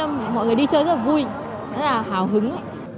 em thấy mọi người đi chơi rất là vui rất là hào hứng